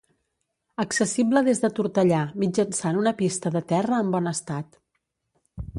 Accessible des de Tortellà, mitjançant una pista de terra en bon estat.